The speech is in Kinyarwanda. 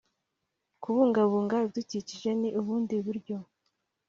. Kubungabunga ibidukikije ni ubundi buryo